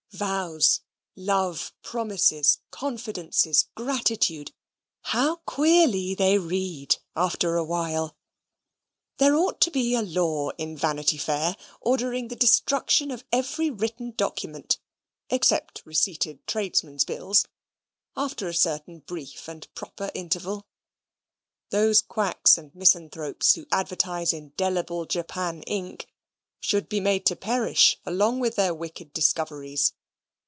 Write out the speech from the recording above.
Vows, love, promises, confidences, gratitude, how queerly they read after a while! There ought to be a law in Vanity Fair ordering the destruction of every written document (except receipted tradesmen's bills) after a certain brief and proper interval. Those quacks and misanthropes who advertise indelible Japan ink should be made to perish along with their wicked discoveries.